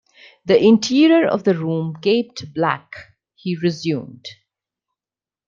"The interior of the room gaped black," he resumed.